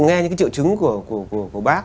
nghe những triệu chứng của bác